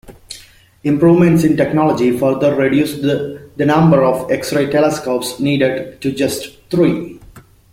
Improvements in technology further reduced the number of X-ray telescopes needed to just three.